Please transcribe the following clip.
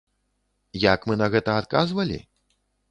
Як мы на гэта адказвалі?